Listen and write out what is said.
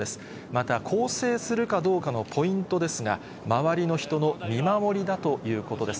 また更生するかどうかのポイントですが、周りの人の見守りだということです。